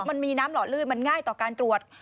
มันมีน้ำหล่อลื่นมันง่ายต่อการตรวจ